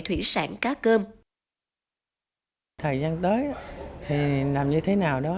thời gian tới thì làm như thế nào đó